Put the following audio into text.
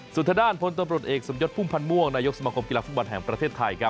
สุธด้านพลตรวจเอกสมยดภูมิพันธ์ม่วงนายกสมกรมกีฬาฟุตบันแห่งประเทศไทย